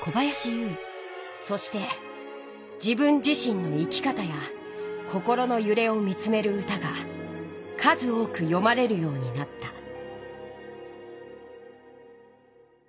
そして自分自身の生き方や心のゆれを見つめる歌が数多くよまれるようになった。